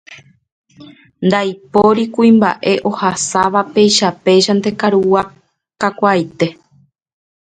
Ndaipóri kuimba'e ohasáva peichapéichante karugua kakuaaite.